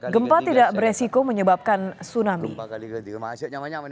gempa tidak beresiko menyebabkan tsunami